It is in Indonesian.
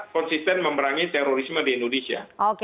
konsisten memberangi terorisme di indonesia